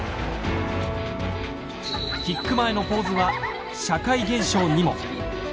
キック前のポーズは社会現象にも。